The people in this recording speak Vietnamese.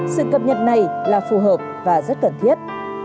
sự cập nhật này là phù hợp và rất cần thiết